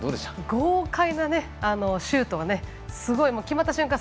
豪快なシュートが決まった瞬間